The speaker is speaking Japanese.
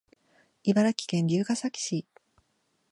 茨城県龍ケ崎市